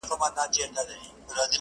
خو د پښتونولۍ او ترکیبي انځورګرۍ